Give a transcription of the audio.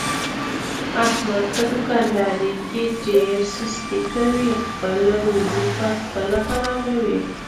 احمد په دوکاندارۍ کې ډېره سستي کوي، خپله روزي په خپله خرابوي.